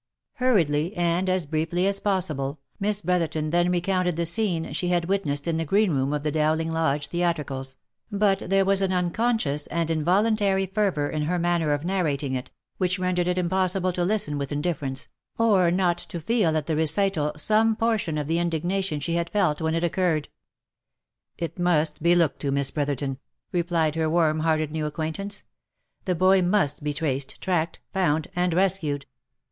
Hurriedly, and as briefly as possible, Miss Brotherton then recounted the scene she had witnessed in the green room of the Dowling lodge theatricals, but there was an unconscious and involuntary fer vour in her manner of narrating it, which rendered it impossible to listen with indifference, or not to feel at the recital some portion of the in dignation she had felt when it occurred. " It must be looked to, Miss Brotherton," replied her warm hearted new acquaintance. " The boy must be traced, tracked, found, and rescued.